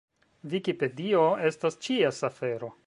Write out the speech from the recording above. Vikipedio estas ĉies afero.